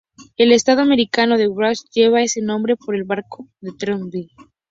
El estado americano de Washington lleva ese nombre por el barco de Kendrick.